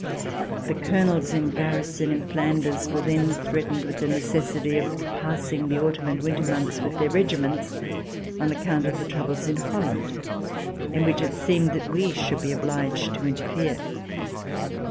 The Colonels in garrison in Flanders were then threatened with the necessity of passing the autumn and winter months with their regiments, on account of the troubles in Holland, in which it seemed that we should be obliged to interfere.